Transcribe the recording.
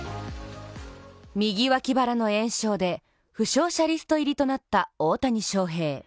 右脇腹の炎症で、負傷者リスト入りとなった大谷翔平。